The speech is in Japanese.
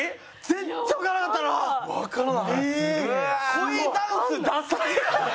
恋ダンスダサい！